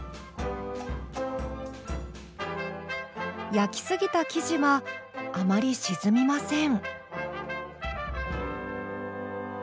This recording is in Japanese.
焼きすぎた生地はあまり沈みません。